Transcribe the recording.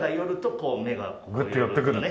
グッて寄ってくる。